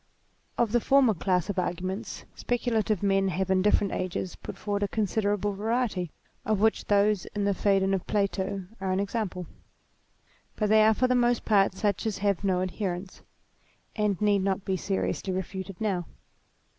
Of the former class of arguments speculative men have in different ages put forward a considerable variety, of which those in the Phsedon of Plato are an example ; but they are for the most part such as have no adherents, and need not be seriously refuted, now.